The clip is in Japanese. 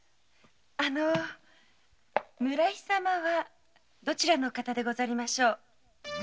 あの村井様はどちらのお方でござりましょう？